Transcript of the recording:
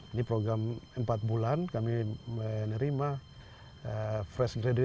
ini program empat bulan kami menerima fresh graduate karena muda papua dari berbagai universitas yang ada di papua